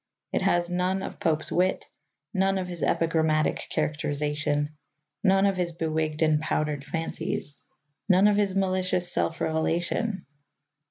It has none of Pope's wit, none of his epigrammatic characterization, none of his bewigged and powdered fancies, none of his malicious self revelation.